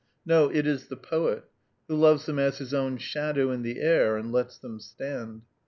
No, it is the poet, who loves them as his own shadow in the air, and lets them stand.